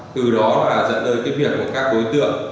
từ đó là dẫn tới cái việc của các đối tượng